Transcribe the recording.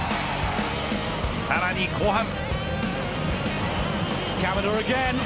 さらに後半。